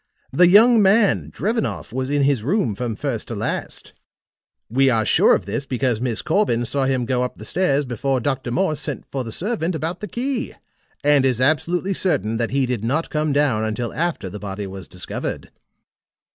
The young man, Drevenoff, was in his room from first to last; we are sure of this because Miss Corbin saw him go up the stairs before Dr. Morse sent for the servant about the key, and is absolutely certain that he did not come down until after the body was discovered.